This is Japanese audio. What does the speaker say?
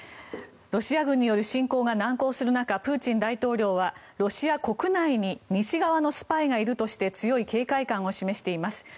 ロシア軍による侵攻が難航する中プーチン大統領はロシア国内に西側のスパイがいるとして強い警戒感を示しています。